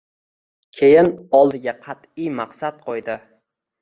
Keyin oldiga qat`iy maqsad qo`ydi